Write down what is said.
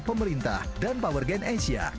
pemerintah dan power gang asia